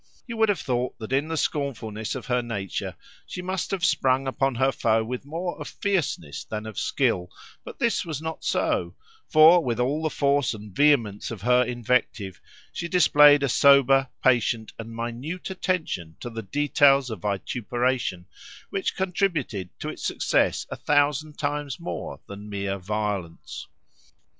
You would have thought that in the scornfulness of her nature she must have sprung upon her foe with more of fierceness than of skill; but this was not so, for with all the force and vehemence of her invective she displayed a sober, patient, and minute attention to the details of vituperation, which contributed to its success a thousand times more than mere violence.